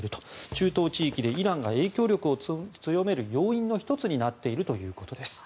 中東地域でイランが影響力を強める要因の１つになっているということです。